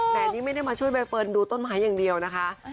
นี้ไม่ได้มาช่วยใบเฟิร์นดูต้นไม้อย่างเดียวนะคะ